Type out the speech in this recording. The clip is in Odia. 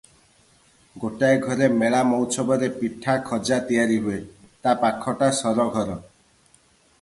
ଗୋଟାଏ ଘରେ ମେଳା ମଉଛବରେ ପିଠା ଖଜା ତିଆରି ହୁଏ, ତା ପାଖଟା ସରଘର ।